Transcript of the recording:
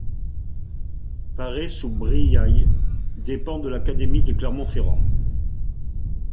Paray-sous-Briailles dépend de l'académie de Clermont-Ferrand.